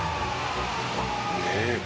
「ねえ」